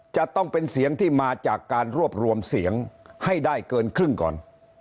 จะต้องเป็นเสียงที่มาจากการรวบรวมเสียงให้ได้เกินครึ่งก่อน